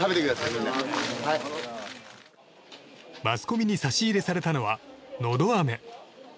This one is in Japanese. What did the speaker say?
マスコミに差し入れされたのはのどあめ。